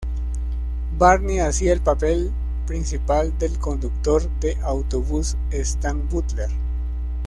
Varney hacía el papel principal del conductor de autobús Stan Butler.